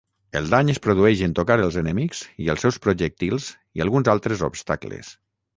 El dany es produeix en tocar els enemics i els seus projectils i alguns altres obstacles.